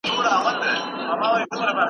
د ماشوم ملاتړ ټولنه پیاوړې کوي.